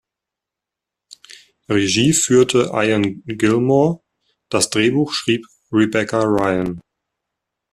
Regie führte Ian Gilmore, das Drehbuch schrieb Rebecca Rian.